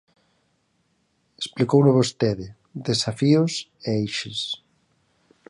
Explicouno vostede: desafíos e eixes.